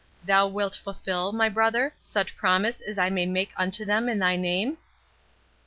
—Thou wilt fulfil, my brother, such promise as I may make unto them in thy name?"